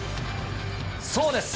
そうです。